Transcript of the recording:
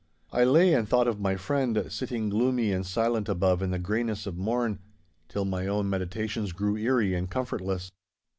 I lay and thought of my friend, sitting gloomy and silent above in the greyness of morn, till my own meditations grew eerie and comfortless.